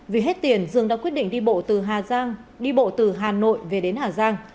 vì hết tiền dương đã quyết định đi bộ từ hà giang đi bộ từ hà nội về đến hà giang